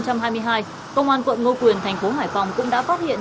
công an quận ngô quyền thành phố hải phòng cũng đã phát hiện